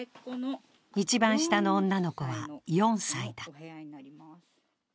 一番下の女の子は４歳だ。